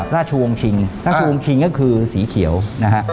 ราชวงศ์ชิงราชวงศ์ชิงก็คือสีเขียวนะฮะ